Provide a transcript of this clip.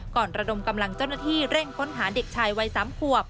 ระดมกำลังเจ้าหน้าที่เร่งค้นหาเด็กชายวัย๓ขวบ